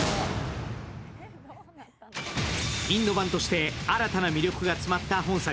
インド版として新たな魅力が詰まった本作。